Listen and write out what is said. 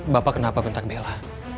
bapak kenapa bentak bella